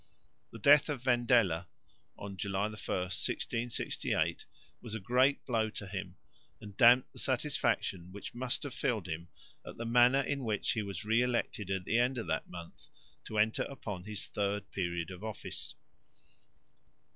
The death of Wendela on July 1, 1668, was a great blow to him and damped the satisfaction which must have filled him at the manner in which he was reelected at the end of that month to enter upon his third period of office.